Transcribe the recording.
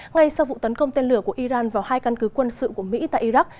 ngay sau vụ tấn công tên lửa của iran vào hai căn cứ quân sự của mỹ tại iraq